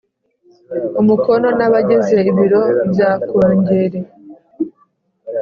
umukono n abagize ibiro bya Kongere